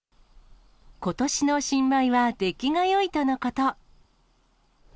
ことしの新米は出来がよいとのこと。